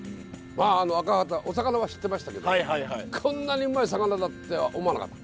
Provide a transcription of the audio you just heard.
あのアカハタお魚は知ってましたけどこんなにうまい魚だっては思わなかった。